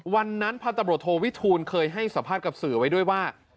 พันธุ์ตำรวจโทวิทูลเคยให้สัมภาษณ์กับสื่อไว้ด้วยว่า